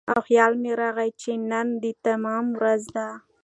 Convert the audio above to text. او خيال مې راغے چې نن د تيمم ورځ وه